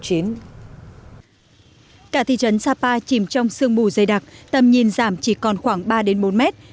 cả thị trấn sapa chìm trong sương mù dày đặc tầm nhìn giảm chỉ còn khoảng ba bốn mét